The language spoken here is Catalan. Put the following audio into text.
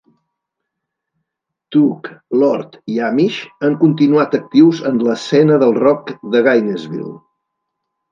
Tooke, Lord i Amish han continuat actius en l'escena del rock de Gainesville.